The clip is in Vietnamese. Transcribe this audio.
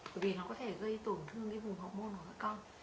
bởi vì nó có thể gây tổn thương cái vùng học môn của các con